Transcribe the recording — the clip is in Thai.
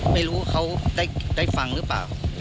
ไม่รู้ว่าเขาได้ฟังหรือเปล่า